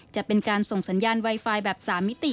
จะเป็นการส่งสัญญาณไวไฟแบบ๓มิติ